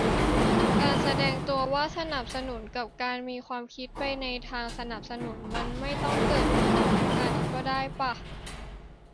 การแสดงตัวว่าสนับสนุน กับการมีความคิดไปในทางสนับสนุน มันไม่ต้องเกิดพร้อมกันก็ได้ป่ะ